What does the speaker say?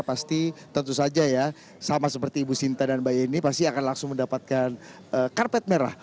pasti tentu saja ya sama seperti ibu sinta dan mbak yeni pasti akan langsung mendapatkan karpet merah